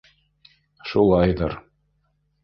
Шулайҙыр.